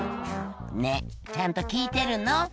「ねぇちゃんと聞いてるの？」